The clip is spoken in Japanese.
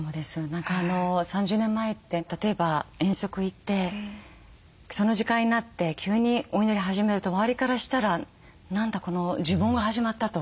何か３０年前って例えば遠足行ってその時間になって急にお祈り始めると周りからしたら何だ呪文が始まったと。